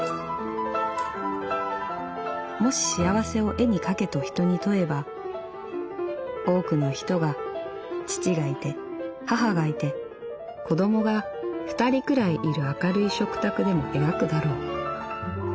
「もし幸せを絵に描けと人に問えば多くの人が父がいて母がいて子供が２人くらいいる明るい食卓でも描くだろう。